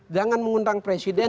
jangan mengundang presiden